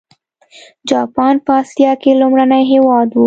جاپان په اسیا کې لومړنی هېواد و.